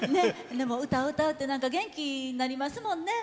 歌を歌うって元気になりますもんね。